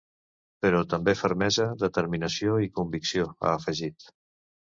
Però també fermesa, determinació i convicció, ha afegit.